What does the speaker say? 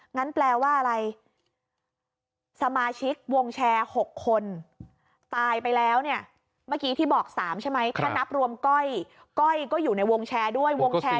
งั้นแปลว่าอะไรสมาชิกวงแชร์๖คนตายไปแล้วเนี่ยเมื่อกี้ที่บอก๓ใช่ไหมถ้านับรวมก้อยก้อยก็อยู่ในวงแชร์ด้วยวงแชร์